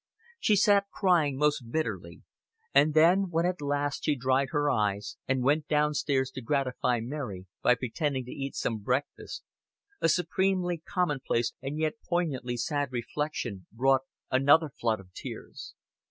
She sat crying most bitterly; and then, when at last she dried her eyes, and went down stairs to gratify Mary by pretending to eat some breakfast, a supremely commonplace and yet poignantly sad reflection brought another flood of tears.